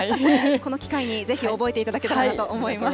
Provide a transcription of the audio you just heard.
この機会に、ぜひ覚えていただけたらなと思います。